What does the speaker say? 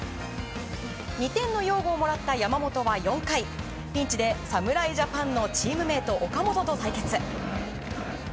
２点の擁護をもらった山本は４回ピンチで侍ジャパンのチームメート岡本と対決。